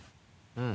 うん。